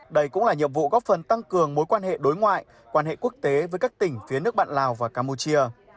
đây cũng là nhiệm vụ góp phần tăng cường mối quan hệ đối ngoại quan hệ quốc tế với các tỉnh phía nước bạn lào và campuchia